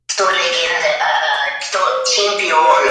• Pul yo‘qligi — eng katta dard.